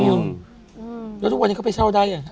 อืมแล้วทุกวันเนี้ยเขาไปเช่าใดอะ